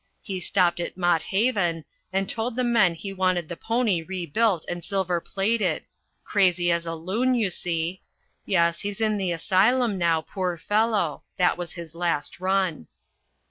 He stopped at Mott Haven, and told the men he wanted the 'pony' rebuilt and silver plated crazy as a loon, you see. Yes, he's in the asylum now, poor fellow; that was his last run."